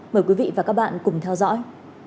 mời quý vị và các bạn cùng theo dõi